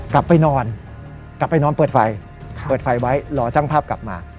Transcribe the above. กลับไปนอนเปิดไฟเพื่อจั้งภาพกลับมา